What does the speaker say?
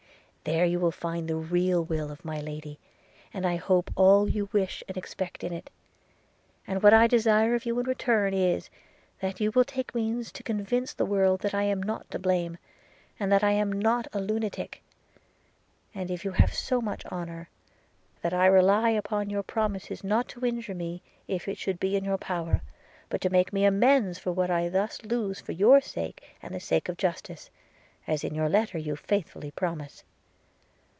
There you will find the real will of my Lady, and I hope all you wish and expect in it; and what I desire of you in return is, that you will take means to convince the world that I am not to blame; and that I am not a lunatic; and you have so much honour, that I rely upon your promises not to injure me if it should be in your power; but to make me amends for what I thus lose for your sake and the sake of justice – as in your letter you faithfully promise.